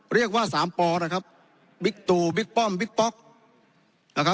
เรียกว่า๓ปนะครับบิ๊กตูบิ๊กป้อมบิ๊กป๊อก